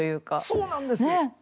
そうなんですよ！ね！